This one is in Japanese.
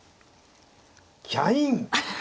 キャイン。